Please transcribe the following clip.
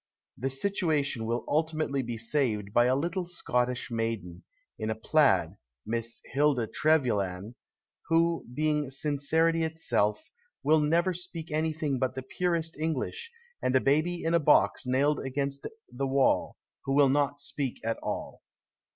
The situation will ultimately be saved by a little Scottish maiden, in a plaid (Miss Hilda Trevelyan), who, being sincerity itself, will never speak anything but the purest Enghsh, and a baby in a box nailed against the wall, who will not speak at all.